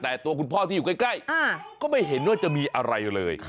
แต่ตัวคุณพ่อที่อยู่ใกล้ก็ไม่เห็นว่าจะมีอะไรเลย